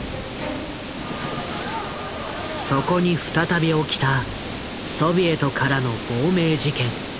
そこに再び起きたソビエトからの亡命事件。